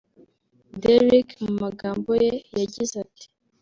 Derick mu magambo ye yagize ati